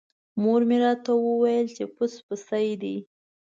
مور مې راته وویل چې پس پسي دی.